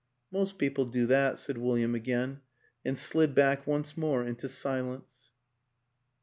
" Most people do that," said William again ... and slid back once more into silence.